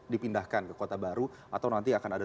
dipindahkan ke kota baru atau nanti akan ada